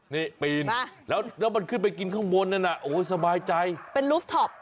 นี่ปีนแล้วมันขึ้นไปกินข้างบนน่ะโอ้สบายใจเป็นลูฟท็อป